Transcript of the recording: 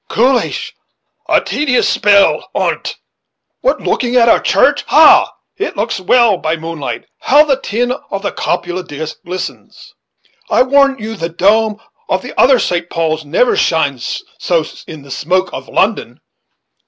"Coolish; a tedious spell on't." "What, looking at our church, ha! It looks well, by moonlight; how the tin of the cupola glistens! I warrant you the dome of the other St. Paul's never shines so in the smoke of London."